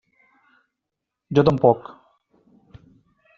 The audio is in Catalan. Jo tampoc.